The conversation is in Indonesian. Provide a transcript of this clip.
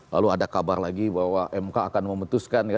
lalu ada kabar lagi bahwa mk akan memutuskan